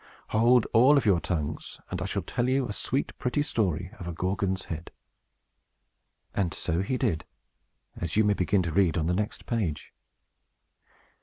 "Hold all your tongues, and I shall tell you a sweet pretty story of a Gorgon's head." And so he did, as you may begin to read on the next page.